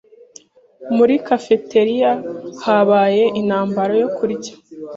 Muri cafeteria habaye intambara yo kurya.